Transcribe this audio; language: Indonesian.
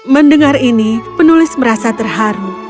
mendengar ini penulis merasa terharu